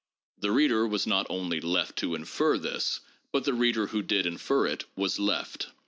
The reader was not only left to ' infer ' this, but the reader who did infer it was ' left.